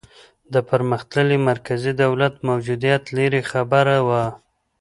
د پرمختللي مرکزي دولت موجودیت لرې خبره وه.